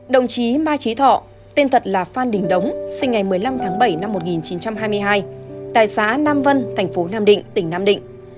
đồng chí mai trí thọ tên thật là phan đình đống sinh ngày một mươi năm tháng bảy năm một nghìn chín trăm hai mươi hai tại xã nam vân thành phố nam định tỉnh nam định